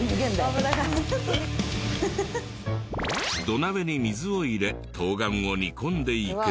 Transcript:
土鍋に水を入れ冬瓜を煮込んでいく。